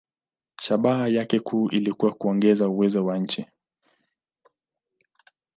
Shabaha yake kuu ilikuwa kuongeza uwezo wa nchi.